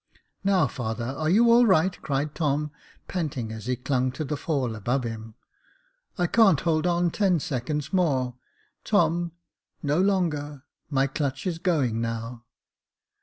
" Now, father, are you all right ?" cried Tom, panting as he clung to the fall above him. I can't hold on ten seconds more, Tom — no longer — my clutch is going now."